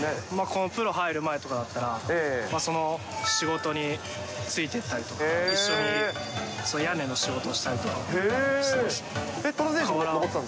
このプロ入る前とかだったら、その仕事についてったりとか、一緒に屋根の仕事をしたりとかしてました。